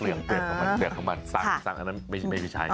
เปลือกของมันสั่งอันนั้นไม่ใช่